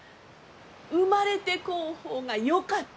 「生まれてこん方がよかった」